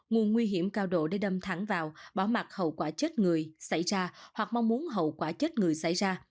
nguồn nguy hiểm cao độ để đâm thẳng vào bỏ mặt hậu quả chết người xảy ra hoặc mong muốn hậu quả chết người xảy ra